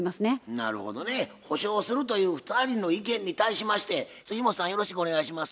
なるほどね補償するという２人の意見に対しまして本さんよろしくお願いします。